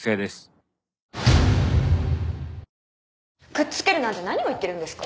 くっつけるなんて何を言ってるんですか。